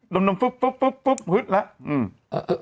ดมฟึบฟึบแล้ว